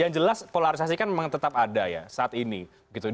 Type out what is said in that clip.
yang jelas polarisasi kan memang tetap ada ya saat ini